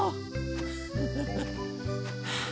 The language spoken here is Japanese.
フフフフ。